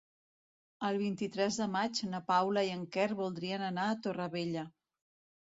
El vint-i-tres de maig na Paula i en Quer voldrien anar a Torrevella.